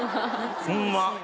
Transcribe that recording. ホンマ